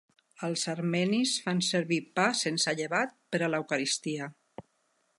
Els armenis fan servir pa sense llevat per a l'Eucaristia.